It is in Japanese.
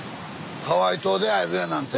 ハワイ島で会えるやなんて。